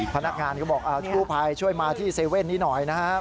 พนักงานก็บอกกู้ภัยช่วยมาที่๗๑๑นี้หน่อยนะครับ